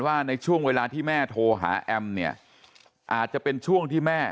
ว่าในช่วงเวลาที่แม่โทรหาแอมเนี่ยอาจจะเป็นช่วงที่แม่